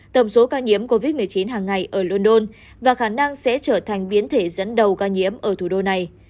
tổng số ca nhiễm covid một mươi chín hàng ngày ở london và khả năng sẽ trở thành biến thể dẫn đầu ca nhiễm ở thủ đô này